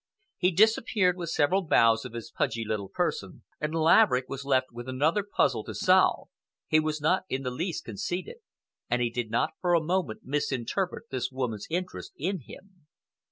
He disappeared with several bows of his pudgy little person, and Laverick was left with another puzzle to solve. He was not in the least conceited, and he did not for a moment misinterpret this woman's interest in him.